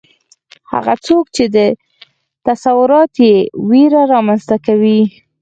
هغه څوک چې تصورات یې ویره رامنځته کوي